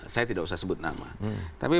saya tidak usah sebut nama tapi